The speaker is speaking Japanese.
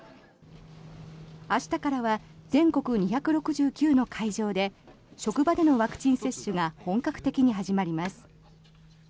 明日からは全国２６９の会場で職場でのワクチン接種が本格的に始まります。